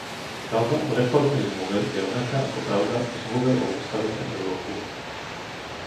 Pravda o reformnej zmluve je rovnaká ako pravda o Zmluve o Ústave pre Európu.